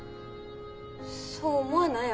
そう思わない？